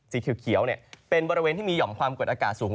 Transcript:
สีเขียวเป็นบริเวณที่มีห่อมความกดอากาศสูง